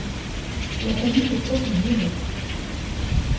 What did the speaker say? Le paiute est proche du mono.